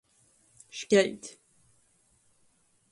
Škelt.